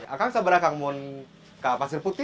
akan sabra kang mau ke pasir putih